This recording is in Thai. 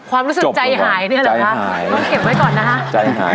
ความรู้สึกใจหายเนี่ยเหรอคะต้องเก็บไว้ก่อนนะฮะใจหาย